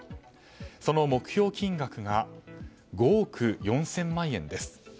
その目標金額が５憶４０００万円です。